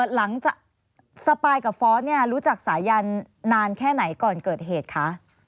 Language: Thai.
สปายกับฟอสเนี่ยรู้จักสายันนานแค่ไหนก่อนเกิดเหตุคะ